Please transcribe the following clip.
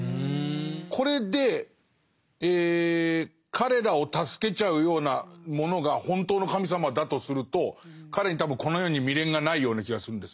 これで彼らを助けちゃうようなものが本当の神様だとすると彼に多分この世に未練がないような気がするんです。